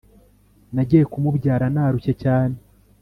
Nagiye kumubyara narushye cyane